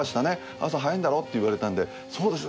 朝早いんだろ？」って言われたんで「そうですね